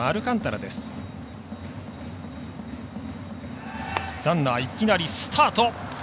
ランナー、いきなりスタート。